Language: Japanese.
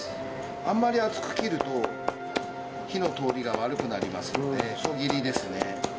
あんまり厚く切ると火の通りが悪くなりますので細切りですね。